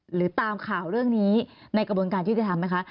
หรือตามข่าวเรื่องนี้ในกระบวนการยุติธรรมไหมคะ